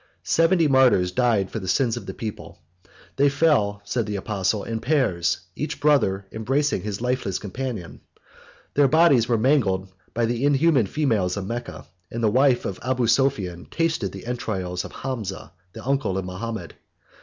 Seventy martyrs died for the sins of the people; they fell, said the apostle, in pairs, each brother embracing his lifeless companion; 133 their bodies were mangled by the inhuman females of Mecca; and the wife of Abu Sophian tasted the entrails of Hamza, the uncle of Mahomet.